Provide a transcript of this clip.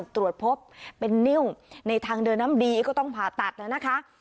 ตรวจพบเป็นนิ้วในทางเดินน้ำดีก็ต้องผ่าตัดนะคะ